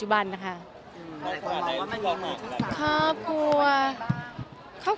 หรือยัง